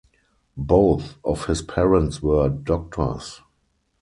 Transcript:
Both of his parents were doctors.